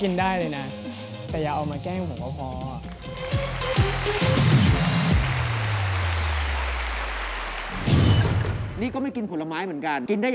อันนี้ใช่เนื้อคู่ของมันครับเนี่ย